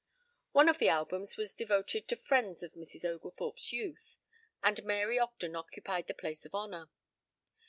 One of the albums was devoted to the friends of Mrs. Oglethorpe's youth, and Mary Ogden occupied the place of honor.